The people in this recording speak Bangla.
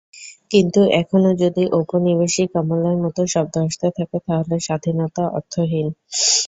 কিন্তু এখনো যদি ঔপনিবেশিক আমলের মতো শব্দ আসতে থাকে, তাহলে স্বাধীনতা অর্থহীন।